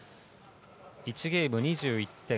１ゲーム２１点。